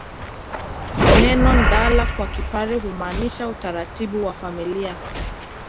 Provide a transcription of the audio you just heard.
Neno ndala kwa Kipare humaanisha utaratibu wa familia